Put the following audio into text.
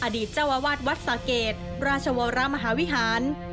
อดีตเจ้าอาวาสวัสดิ์ศาสตร์เกรดบราชวรมหาวิหาร